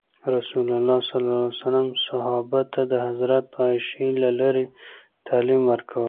رسول الله ﷺ صحابه ته د حضرت عایشې له لارې تعلیم ورکول.